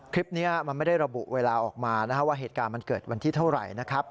คลิปนี้มันไม่ได้ระบุเวลาออกมาว่าเหตุการณ์มันเกิดวันที่เท่าไหร่นะครับ